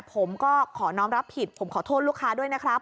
ผมก็ขอน้องรับผิดผมขอโทษลูกค้าด้วยนะครับ